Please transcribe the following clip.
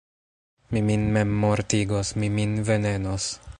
Mi min mem mortigos, mi min venenos!